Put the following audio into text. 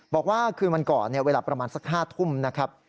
บอกว่าคืนวันก่อนเวลาประมาณสัก๕ทุ่มนะครับ